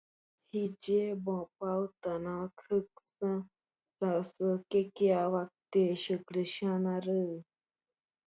¿Por qué tus discípulos traspasan la tradición de los ancianos?